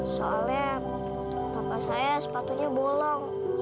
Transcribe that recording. soalnya papa saya sepatunya bolong